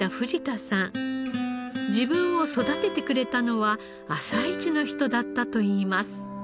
自分を育ててくれたのは朝市の人だったといいます。